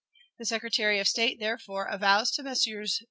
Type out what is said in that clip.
The Secretary of State, therefore, avows to Messrs.